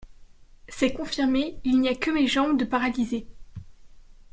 C’est confirmé, il n’y a que mes jambes de paralysées.